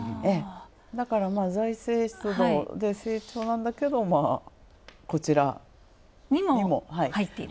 だから財政出動、成長なんだけどこちらにもにも入っている。